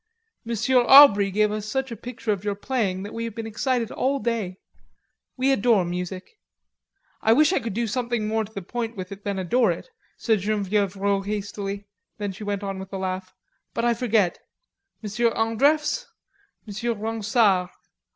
"Monsieur Aubrey gave us such a picture of your playing that we have been excited all day.... We adore music." "I wish I could do something more to the point with it than adore it," said Genevieve Rod hastily, then she went on with a laugh: "But I forget..... Monsieur Andreffs.... Monsieur Ronsard."